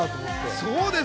そうです。